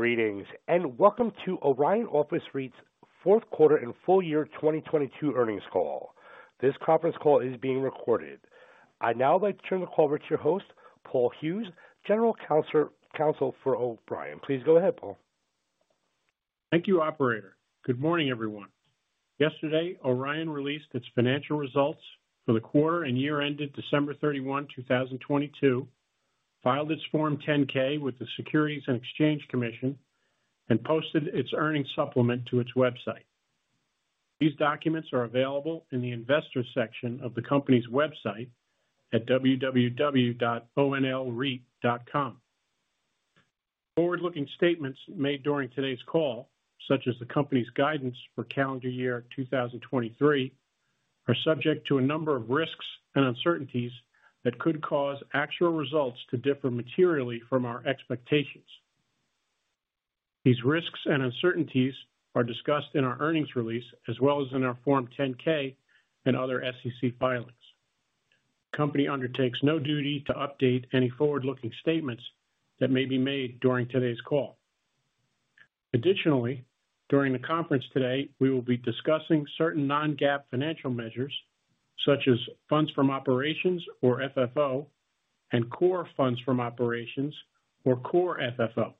Greetings, welcome to Orion Office REIT's Fourth Quarter and Full Year 2022 Earnings Call. This conference call is being recorded. I'd now like to turn the call over to your host, Paul Hughes, General Counsel for Orion. Please go ahead, Paul. Thank you, Operator. Good morning, everyone. Yesterday, Orion released its financial results for the quarter and year ended December 31, 2022, filed its Form 10-K with the Securities and Exchange Commission, and posted its earnings supplement to its website. These documents are available in the investors section of the company's website at www.onlreit.com. Forward-looking statements made during today's call, such as the company's guidance for calendar year 2023, are subject to a number of risks and uncertainties that could cause actual results to differ materially from our expectations. These risks and uncertainties are discussed in our earnings release as well as in our Form 10-K and other SEC filings. The company undertakes no duty to update any forward-looking statements that may be made during today's call. Additionally, during the conference today, we will be discussing certain non-GAAP financial measures, such as funds from operations or FFO, and Core Funds from Operations, or Core FFO.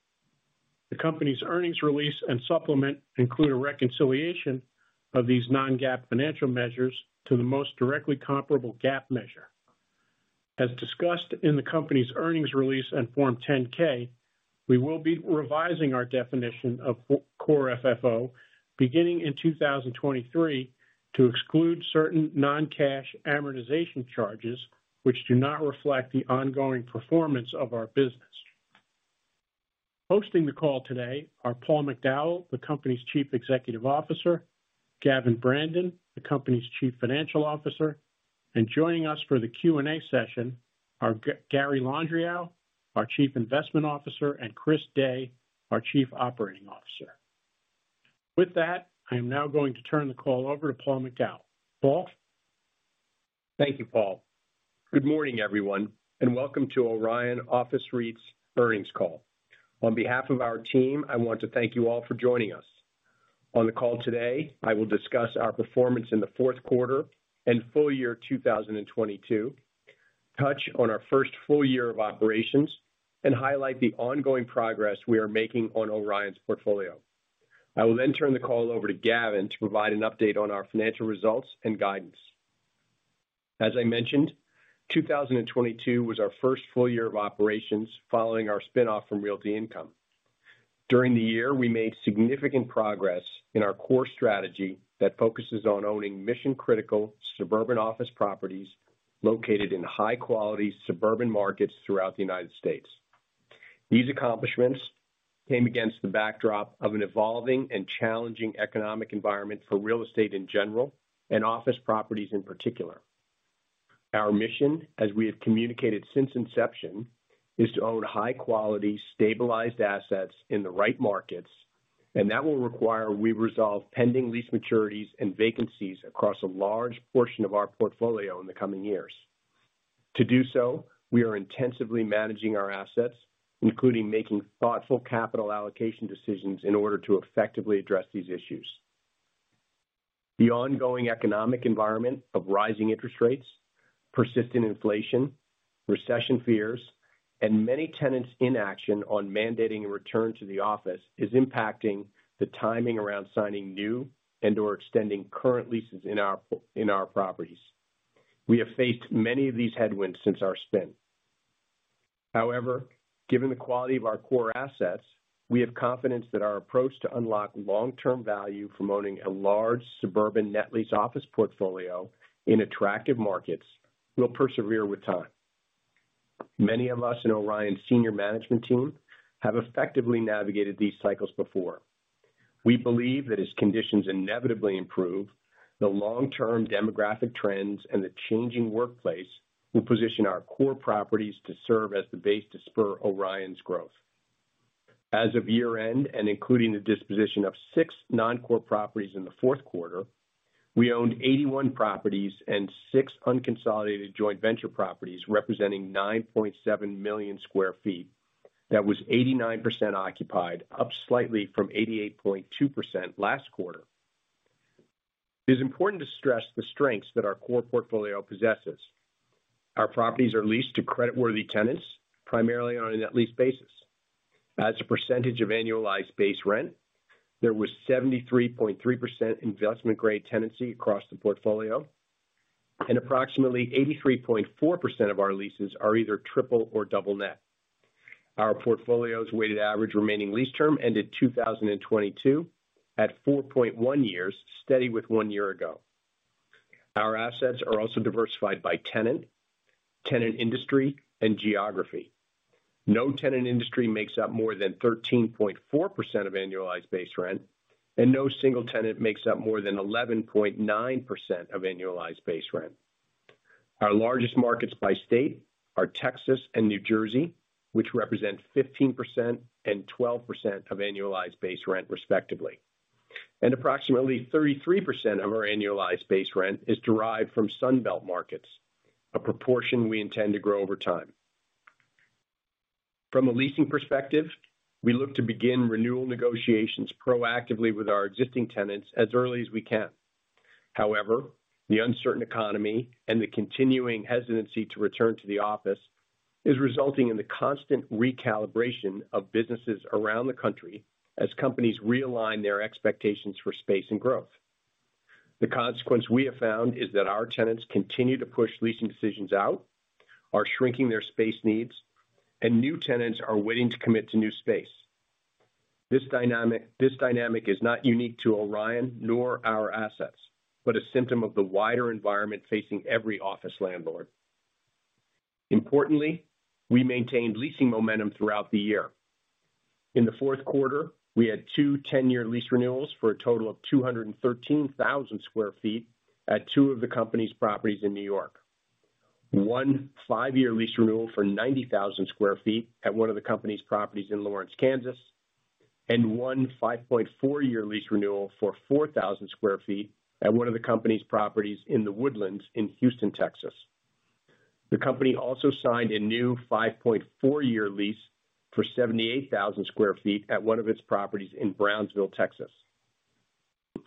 The company's earnings release and supplement include a reconciliation of these non-GAAP financial measures to the most directly comparable GAAP measure. As discussed in the company's earnings release and Form 10-K, we will be revising our definition of Core FFO beginning in 2023 to exclude certain non-cash amortization charges which do not reflect the ongoing performance of our business. Hosting the call today are Paul McDowell, the company's Chief Executive Officer, Gavin Brandon, the company's Chief Financial Officer, and joining us for the Q&A session are Gary Landriau, our Chief Investment Officer, and Chris Day, our Chief Operating Officer. With that, I am now going to turn the call over to Paul McDowell. Paul? Thank you, Paul. Good morning, everyone, and welcome to Orion Office REIT's earnings call. On behalf of our team, I want to thank you all for joining us. On the call today, I will discuss our performance in the fourth quarter and full year 2022, touch on our first full year of operations, and highlight the ongoing progress we are making on Orion's portfolio. I will turn the call over to Gavin to provide an update on our financial results and guidance. As I mentioned, 2022 was our first full year of operations following our spin-off from Realty Income. During the year, we made significant progress in our core strategy that focuses on owning mission-critical suburban office properties located in high-quality suburban markets throughout the United States. These accomplishments came against the backdrop of an evolving and challenging economic environment for real estate in general, and office properties in particular. Our mission, as we have communicated since inception, is to own high-quality, stabilized assets in the right markets, and that will require we resolve pending lease maturities and vacancies across a large portion of our portfolio in the coming years. To do so, we are intensively managing our assets, including making thoughtful capital allocation decisions in order to effectively address these issues. The ongoing economic environment of rising interest rates, persistent inflation, recession fears, and many tenants' inaction on mandating a return to the office is impacting the timing around signing new and/or extending current leases in our properties. We have faced many of these headwinds since our spin. Given the quality of our core assets, we have confidence that our approach to unlock long-term value from owning a large suburban net lease office portfolio in attractive markets will persevere with time. Many of us in Orion's senior management team have effectively navigated these cycles before. We believe that as conditions inevitably improve, the long-term demographic trends and the changing workplace will position our core properties to serve as the base to spur Orion's growth. As of year-end, and including the disposition of six non-core properties in the fourth quarter, we owned 81 properties and six unconsolidated joint venture properties representing 9.7 million sq ft. That was 89% occupied, up slightly from 88.2% last quarter. It is important to stress the strengths that our core portfolio possesses. Our properties are leased to creditworthy tenants primarily on a net lease basis. As a percentage of Annualized Base Rent, there was 73.3% investment grade tenancy across the portfolio, and approximately 83.4% of our leases are either Triple Net or Double Net. Our portfolio's weighted average remaining lease term ended 2022 at 4.1 years, steady with one year ago. Our assets are also diversified by tenant industry, and geography. No tenant industry makes up more than 13.4% of Annualized Base Rent, and no single tenant makes up more than 11.9% of Annualized Base Rent. Our largest markets by state are Texas and New Jersey, which represent 15% and 12% of Annualized Base Rent, respectively. Approximately 33% of our Annualized Base Rent is derived from Sunbelt markets, a proportion we intend to grow over time. From a leasing perspective, we look to begin renewal negotiations proactively with our existing tenants as early as we can. However, the uncertain economy and the continuing hesitancy to return to the office is resulting in the constant recalibration of businesses around the country as companies realign their expectations for space and growth. The consequence we have found is that our tenants continue to push leasing decisions out, are shrinking their space needs, and new tenants are waiting to commit to new space. This dynamic is not unique to Orion nor our assets, but a symptom of the wider environment facing every office landlord. Importantly, we maintained leasing momentum throughout the year. In the fourth quarter, we had two 10-year lease renewals for a total of 213,000 sq ft at two of the company's properties in New York. 1 5-year lease renewal for 90,000 sq ft at one of the company's properties in Lawrence, Kansas. 1 5.4-year lease renewal for 4,000 sq ft at one of the company's properties in The Woodlands in Houston, Texas. The company also signed a new 5.4-year lease for 78,000 sq ft at one of its properties in Brownsville, Texas.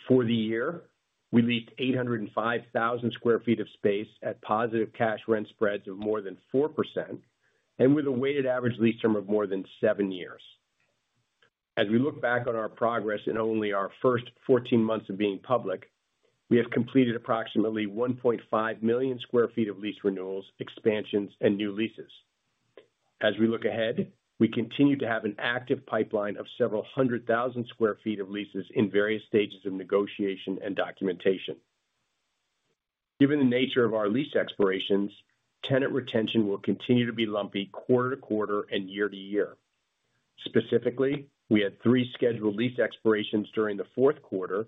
For the year, we leased 805,000 sq ft of space at positive cash rent spreads of more than 4% and with a weighted average lease term of more than seven years. As we look back on our progress in only our first 14 months of being public, we have completed approximately 1.5 million sq ft of lease renewals, expansions, and new leases. As we look ahead, we continue to have an active pipeline of several hundred thousand sq ft of leases in various stages of negotiation and documentation. Given the nature of our lease expirations, tenant retention will continue to be lumpy quarter to quarter and year to year. Specifically, we had three scheduled lease expirations during the fourth quarter,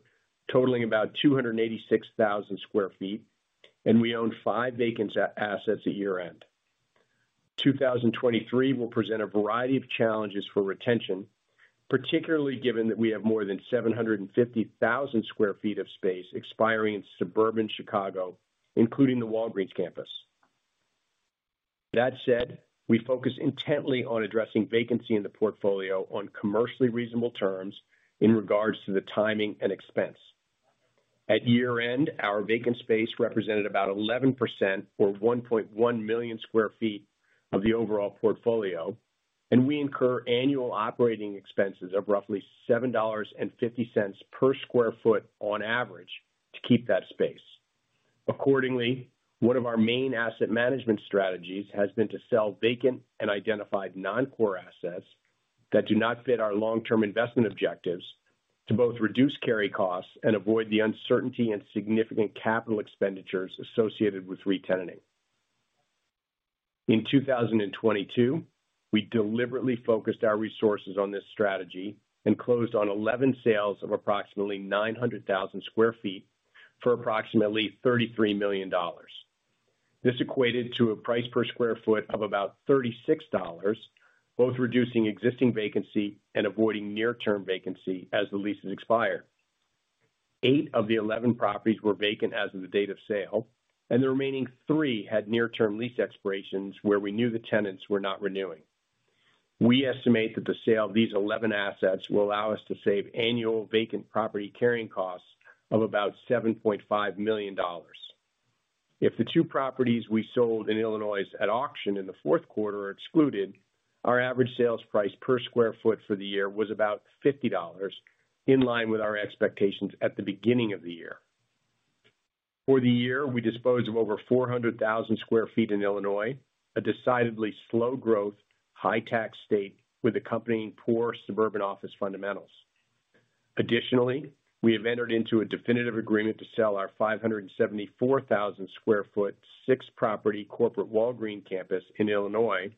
totaling about 286,000 sq ft, and we own five vacant assets at year-end. 2023 will present a variety of challenges for retention, particularly given that we have more than 750,000 sq ft of space expiring in suburban Chicago, including the Walgreens campus. That said, we focus intently on addressing vacancy in the portfolio on commercially reasonable terms in regards to the timing and expense. At year end, our vacant space represented about 11% or 1.1 million sq ft of the overall portfolio. We incur annual operating expenses of roughly $7.50 per sq ft on average to keep that space. Accordingly, one of our main asset management strategies has been to sell vacant and identified non-core assets that do not fit our long-term investment objectives to both reduce carry costs and avoid the uncertainty and significant capital expenditures associated with re-tenanting. In 2022, we deliberately focused our resources on this strategy and closed on 11 sales of approximately 900,000 sq ft for approximately $33 million. This equated to a price per sq ft of about $36, both reducing existing vacancy and avoiding near term vacancy as the leases expire. Eight of the 11 properties were vacant as of the date of sale. The remaining three had near term lease expirations where we knew the tenants were not renewing. We estimate that the sale of these 11 assets will allow us to save annual vacant property carrying costs of about $7.5 million. If the two properties we sold in Illinois at auction in the fourth quarter are excluded, our average sales price per sq ft for the year was about $50, in line with our expectations at the beginning of the year. For the year, we disposed of over 400,000 sq ft in Illinois, a decidedly slow growth, high tax state with accompanying poor suburban office fundamentals. We have entered into a definitive agreement to sell our 574,000 square foot, six property corporate Walgreens campus in Illinois,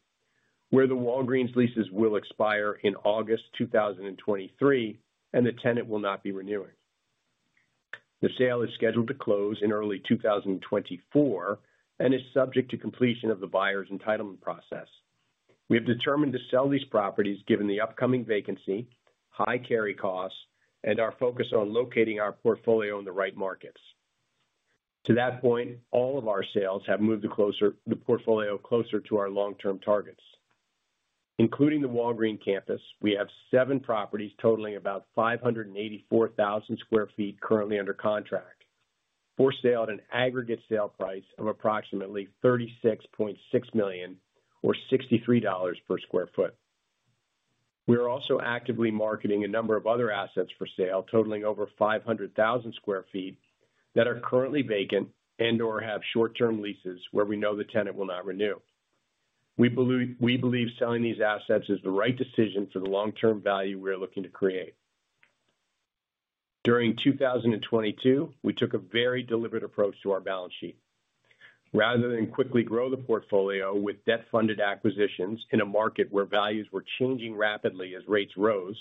where the Walgreens leases will expire in August 2023 and the tenant will not be renewing. The sale is scheduled to close in early 2024 and is subject to completion of the buyer's entitlement process. We have determined to sell these properties given the upcoming vacancy, high carry costs, and our focus on locating our portfolio in the right markets. To that point, all of our sales have moved the portfolio closer to our long-term targets. Including the Walgreens campus, we have seven properties totaling about 584,000 square feet currently under contract for sale at an aggregate sale price of approximately $36.6 million or $63 per square foot. We are also actively marketing a number of other assets for sale totaling over 500,000 sq ft that are currently vacant and/or have short term leases where we know the tenant will not renew. We believe selling these assets is the right decision for the long term value we are looking to create. During 2022, we took a very deliberate approach to our balance sheet. Rather than quickly grow the portfolio with debt funded acquisitions in a market where values were changing rapidly as rates rose,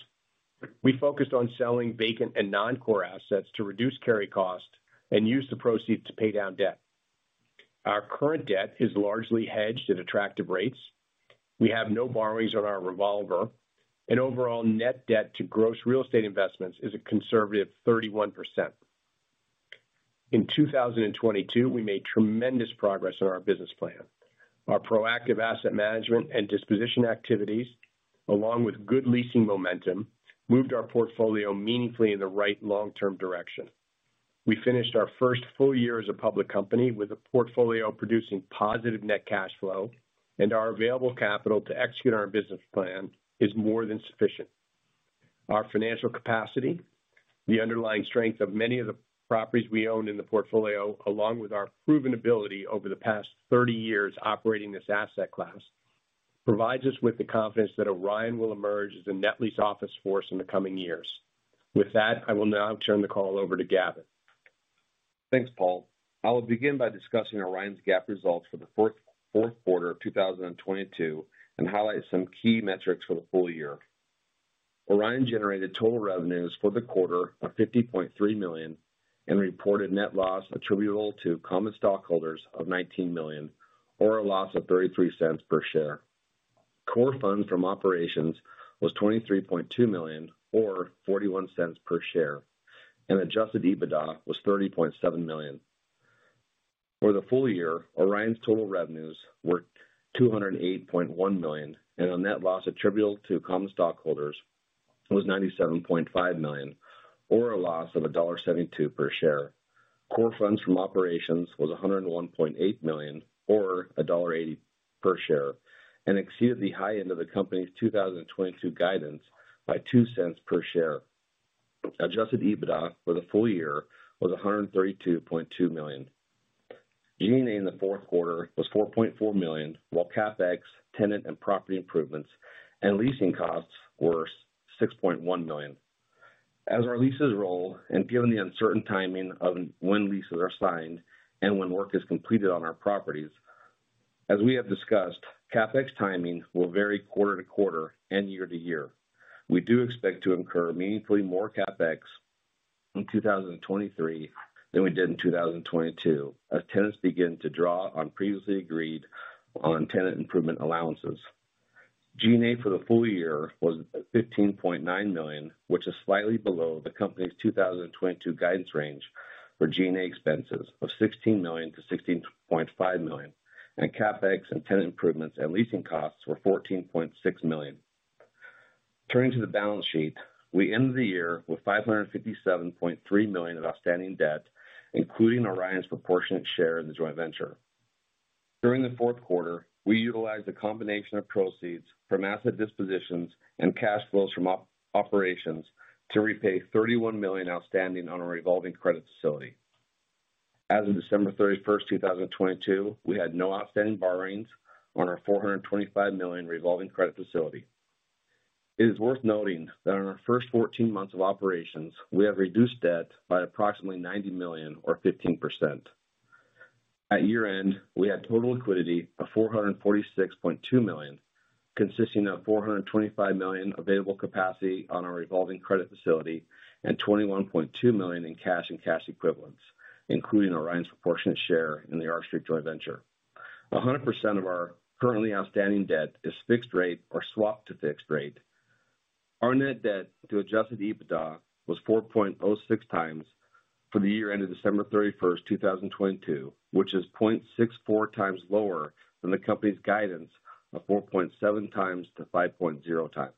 we focused on selling vacant and non-core assets to reduce carry cost and use the proceeds to pay down debt. Our current debt is largely hedged at attractive rates. We have no borrowings on our revolver. Overall Net Debt to Gross Real Estate Investments is a conservative 31%. In 2022, we made tremendous progress in our business plan. Our proactive asset management and disposition activities, along with good leasing momentum, moved our portfolio meaningfully in the right long-term direction. We finished our first full year as a public company with a portfolio producing positive net cash flow, and our available capital to execute our business plan is more than sufficient. Our financial capacity, the underlying strength of many of the properties we own in the portfolio, along with our proven ability over the past 30 years operating this asset class, provides us with the confidence that Orion will emerge as a net lease office force in the coming years. With that, I will now turn the call over to Gavin. Thanks, Paul. I will begin by discussing Orion's GAAP results for the fourth quarter of 2022 and highlight some key metrics for the full year. Orion generated total revenues for the quarter of $50.3 million and reported net loss attributable to common stockholders of $19 million or a loss of $0.33 per share. Core Funds from Operations was $23.2 million or $0.41 per share, and Adjusted EBITDA was $30.7 million. For the full year, Orion's total revenues were $208.1 million and a net loss attributable to common stockholders was $97.5 million or a loss of $1.72 per share. Core Funds from Operations was $101.8 million or $1.80 per share and exceeded the high end of the company's 2022 guidance by $0.02 per share. Adjusted EBITDA for the full year was $132.2 million. G&A in the fourth quarter was $4.4 million, while CapEx, tenant, and property improvements and leasing costs were $6.1 million. As our leases roll and given the uncertain timing of when leases are signed and when work is completed on our properties, as we have discussed, CapEx timing will vary quarter-to-quarter and year-to-year. We do expect to incur meaningfully more CapEx in 2023 than we did in 2022 as tenants begin to draw on previously agreed on tenant improvement allowances. G&A for the full year was $15.9 million, which is slightly below the company's 2022 guidance range for G&A expenses of $16 million-$16.5 million. CapEx and tenant improvements and leasing costs were $14.6 million. Turning to the balance sheet, we ended the year with $557.3 million of outstanding debt, including Orion's proportionate share in the joint venture. During the fourth quarter, we utilized a combination of proceeds from asset dispositions and cash flows from operations to repay $31 million outstanding on our revolving credit facility. As of December 31, 2022, we had no outstanding borrowings on our $425 million revolving credit facility. It is worth noting that on our first 14 months of operations, we have reduced debt by approximately $90 million or 15%. At year-end, we had total liquidity of $446.2 million, consisting of $425 million available capacity on our revolving credit facility and $21.2 million in cash and cash equivalents, including Orion's proportionate share in the R Street joint venture. 100% of our currently outstanding debt is fixed rate or swapped to fixed rate. Our Net Debt to Adjusted EBITDA was 4.06x for the year ended December 31, 2022, which is 0.64x lower than the company's guidance of 4.7x-5.0x.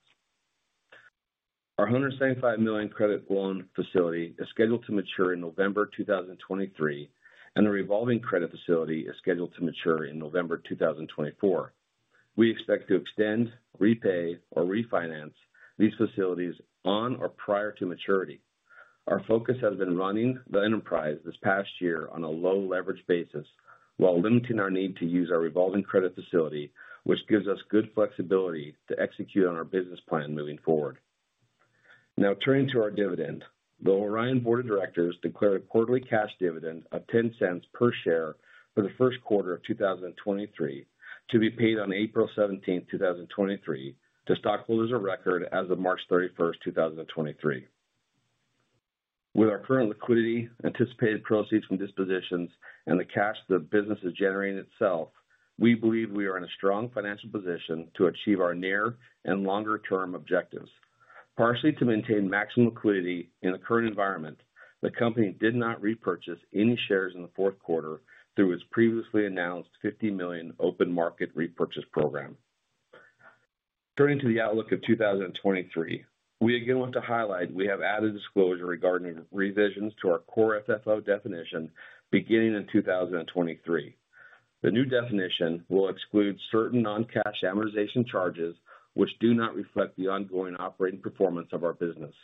Our $175 million credit loan facility is scheduled to mature in November 2023, and the revolving credit facility is scheduled to mature in November 2024. We expect to extend, repay, or refinance these facilities on or prior to maturity. Our focus has been running the enterprise this past year on a low leverage basis while limiting our need to use our revolving credit facility, which gives us good flexibility to execute on our business plan moving forward. Turning to our dividend. The Orion board of directors declared a quarterly cash dividend of $0.10 per share for the first quarter of 2023, to be paid on April 17th, 2023 to stockholders of record as of March 31st, 2023. With our current liquidity, anticipated proceeds from dispositions, and the cash the business is generating itself, we believe we are in a strong financial position to achieve our near and longer-term objectives. Partially to maintain maximum liquidity in the current environment, the company did not repurchase any shares in the fourth quarter through its previously announced $50 million open market repurchase program. Turning to the outlook of 2023. We again want to highlight we have added disclosure regarding revisions to our Core FFO definition beginning in 2023. The new definition will exclude certain non-cash amortization charges which do not reflect the ongoing operating performance of our business.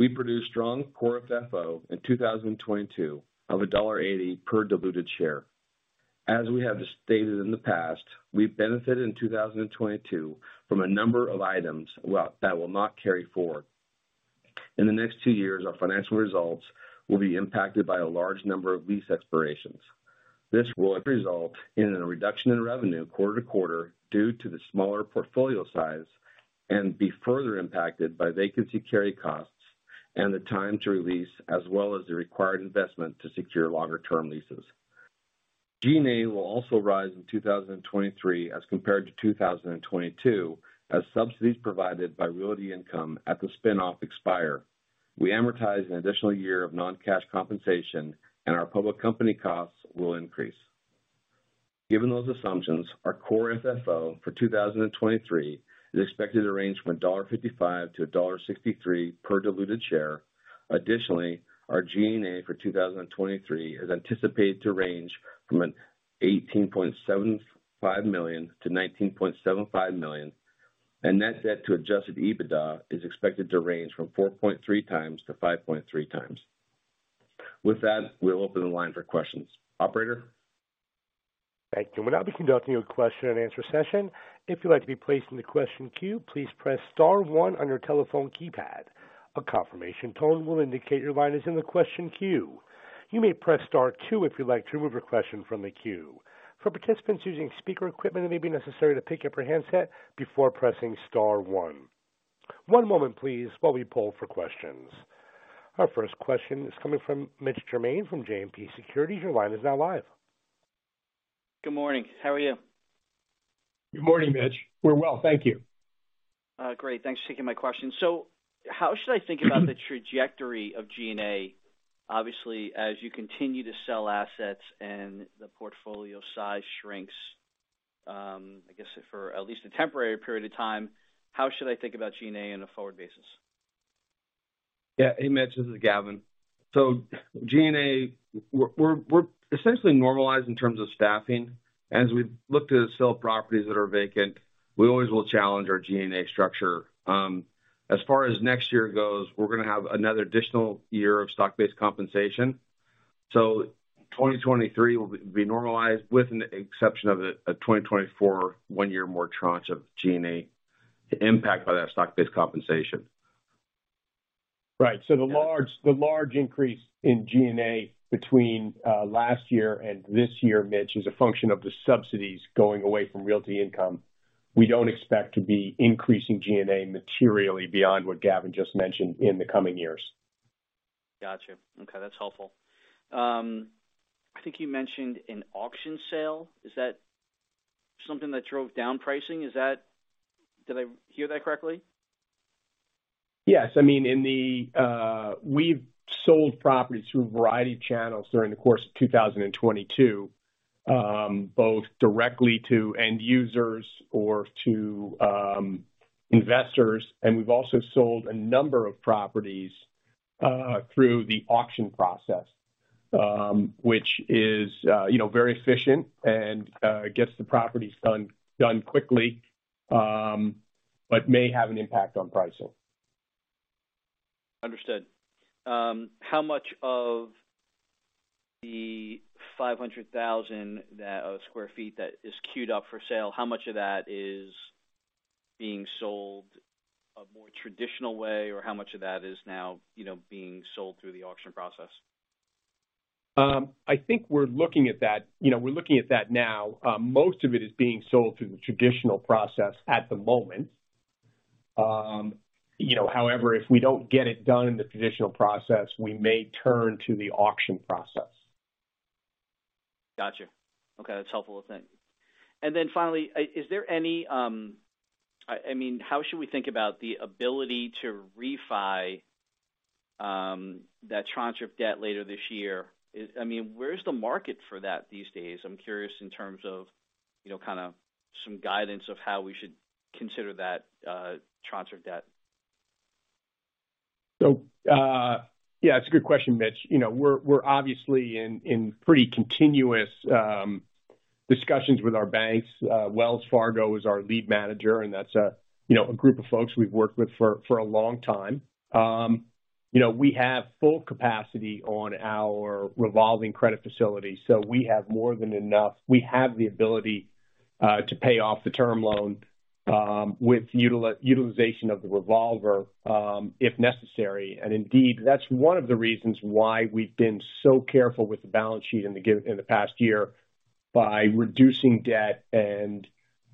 We produced strong Core FFO in 2022 of $1.80 per diluted share. As we have stated in the past, we benefited in 2022 from a number of items well, that will not carry forward. In the next two years, our financial results will be impacted by a large number of lease expirations. This will result in a reduction in revenue quarter to quarter due to the smaller portfolio size and be further impacted by vacancy carry costs. The time to release as well as the required investment to secure longer term leases. G&A will also rise in 2023 as compared to 2022 as subsidies provided by Realty Income at the spin off expire. We amortize an additional year of non-cash compensation, and our public company costs will increase. Given those assumptions, our Core FFO for 2023 is expected to range from $1.55-$1.63 per diluted share. Additionally, our G&A for 2023 is anticipated to range from $18.75 million-$19.75 million. Net Debt to Adjusted EBITDA is expected to range from 4.3 times-5.3 times. With that, we'll open the line for questions. Operator? Thank you. We'll now be conducting a question and answer session. If you'd like to be placed in the question queue, please press star one on your telephone keypad. A confirmation tone will indicate your line is in the question queue. You may press star two if you'd like to remove your question from the queue. For participants using speaker equipment, it may be necessary to pick up your handset before pressing star one. One moment please while we poll for questions. Our first question is coming from Mitch Germain from JMP Securities. Your line is now live. Good morning. How are you? Good morning, Mitch. We're well, thank you. Great. Thanks for taking my question. How should I think about the trajectory of G&A? Obviously, as you continue to sell assets and the portfolio size shrinks, I guess for at least a temporary period of time, how should I think about G&A in a forward basis? Yeah. Hey, Mitch, this is Gavin. G&A, we're essentially normalized in terms of staffing. As we look to sell properties that are vacant, we always will challenge our G&A structure. As far as next year goes, we're gonna have another additional year of stock-based compensation. 2023 will be normalized with an exception of a 2024 one-year more tranche of G&A impact by that stock-based compensation. Right. The large increase in G&A between last year and this year, Mitch, is a function of the subsidies going away from Realty Income. We don't expect to be increasing G&A materially beyond what Gavin just mentioned in the coming years. Gotcha. Okay, that's helpful. I think you mentioned an auction sale. Is that something that drove down pricing? Did I hear that correctly? Yes. I mean, in the... We've sold properties through a variety of channels during the course of 2022, both directly to end users or to investors. We've also sold a number of properties through the auction process, which is, you know, very efficient and gets the properties done quickly, but may have an impact on pricing. Understood. How much of the 500,000 sq ft that is queued up for sale, how much of that is being sold a more traditional way, or how much of that is now, you know, being sold through the auction process? I think we're looking at that. You know, we're looking at that now. Most of it is being sold through the traditional process at the moment. You know, however, if we don't get it done in the traditional process, we may turn to the auction process. Gotcha. Okay, that's helpful. Finally, is there any... I mean, how should we think about the ability to refi that tranche of debt later this year? I mean, where's the market for that these days? I'm curious in terms of, you know, kind of some guidance of how we should consider that tranche of debt. Yeah, it's a good question, Mitch. You know, we're obviously in pretty continuous discussions with our banks. Wells Fargo is our lead manager, and that's a, you know, a group of folks we've worked with for a long time. You know, we have full capacity on our revolving credit facility, so we have more than enough. We have the ability to pay off the term loan with utilization of the revolver if necessary. Indeed, that's one of the reasons why we've been so careful with the balance sheet in the past year by reducing debt and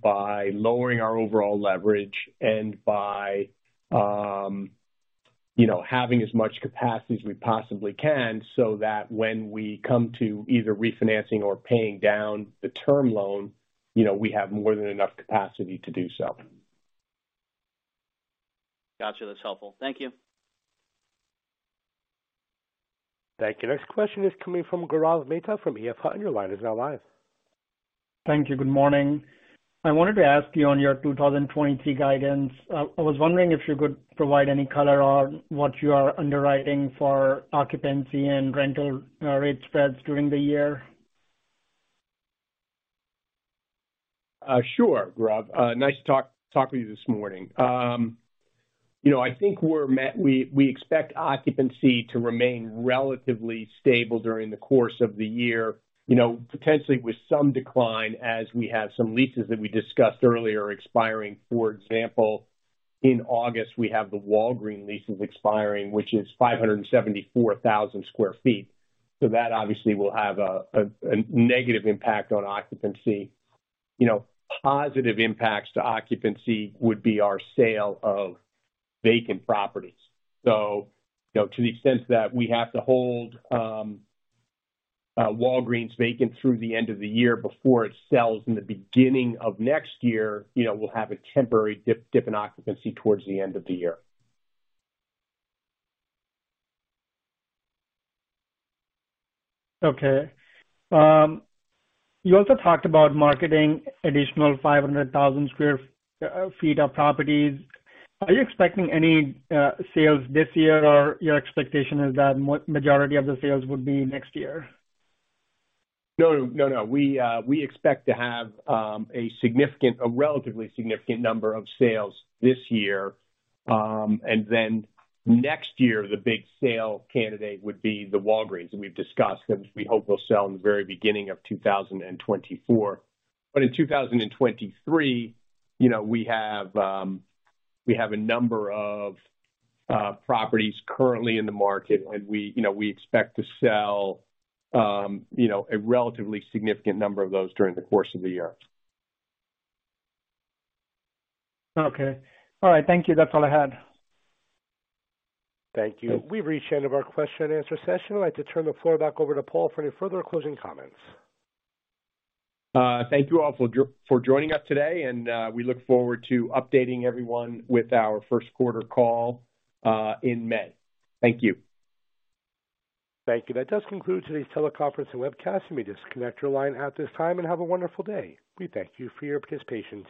by lowering our overall leverage and by, you know, having as much capacity as we possibly can so that when we come to either refinancing or paying down the term loan, you know, we have more than enough capacity to do so. Gotcha. That's helpful. Thank you. Thank you. Next question is coming from Gaurav Mehta from EF Hutton. Your line is now live. Thank you. Good morning. I wanted to ask you on your 2023 guidance. I was wondering if you could provide any color on what you are underwriting for occupancy and rental rate spreads during the year. Sure, Gaurav. Nice to talk with you this morning. You know, I think we expect occupancy to remain relatively stable during the course of the year, you know, potentially with some decline as we have some leases that we discussed earlier expiring. For example, in August, we have the Walgreens leases expiring, which is 574,000 sq ft. That obviously will have a negative impact on occupancy. You know, positive impacts to occupancy would be our sale of vacant properties. To the extent that we have to hold Walgreens vacant through the end of the year before it sells in the beginning of next year, you know, we'll have a temporary dip in occupancy towards the end of the year. Okay. You also talked about marketing additional 500,000 square feet of properties. Are you expecting any sales this year, or your expectation is that majority of the sales would be next year? No. No, no. We expect to have a relatively significant number of sales this year. Next year, the big sale candidate would be the Walgreens, and we've discussed them. We hope we'll sell in the very beginning of 2024. In 2023, you know, we have a number of properties currently in the market, and we, you know, we expect to sell, you know, a relatively significant number of those during the course of the year. Okay. All right. Thank you. That's all I had. Thank you. We've reached the end of our question and answer session. I'd like to turn the floor back over to Paul for any further closing comments. Thank you all for joining us today. We look forward to updating everyone with our first quarter call in May. Thank you. Thank you. That does conclude today's teleconference and webcast. You may disconnect your line at this time and have a wonderful day. We thank you for your participation.